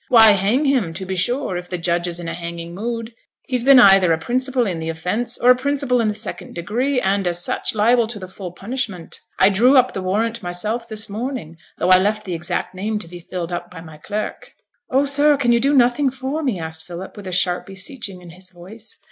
'Why, hang him, to be sure; if the judge is in a hanging mood. He's been either a principal in the offence, or a principal in the second degree, and, as such, liable to the full punishment. I drew up the warrant myself this morning, though I left the exact name to be filled up by my clerk.' 'Oh, sir! can you do nothing for me?' asked Philip, with sharp beseeching in his voice.